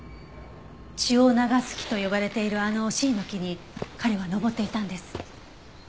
血を流す木と呼ばれているあのシイの木に彼は登っていたんです。